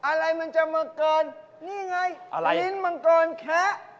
อะไรมันจะมาเกินนี่ไงอะไรลิ้นมังกรแคะ